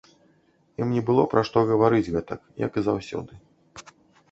Ім не было пра што гаварыць гэтак, як і заўсёды.